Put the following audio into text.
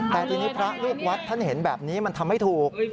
แต่ทีนี้พระลูกวัดท่านเห็นแบบนี้มันทำไม่ถูก